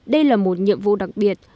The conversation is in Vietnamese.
đây là một nhiệm vụ đặc biệt